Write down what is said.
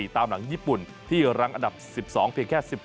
ตามหลังญี่ปุ่นที่รั้งอันดับ๑๒เพียงแค่๑๔